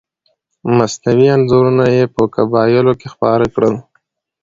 مصنوعي انځورونه یې په قبایلو کې خپاره کړل.